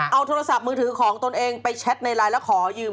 เอาโทรศัพท์มือถือของตนเองไปแชทในไลน์แล้วขอยืม